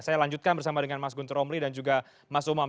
saya lanjutkan bersama dengan mas guntur romli dan juga mas umam